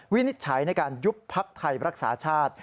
วินิจฉัยในการยุบพักไทยรักษาชาติ